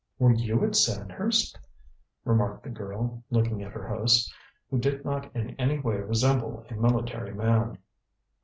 "Were you at Sandhurst?" remarked the girl, looking at her host, who did not in any way resemble a military man.